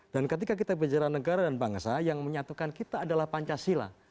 dan ketika kita bicara tentang negara dan bangsa yang menyatukan kita adalah pancasila